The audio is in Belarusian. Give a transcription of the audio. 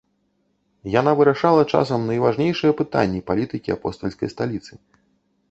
Яна вырашала часам найважнейшыя пытанні палітыкі апостальскай сталіцы.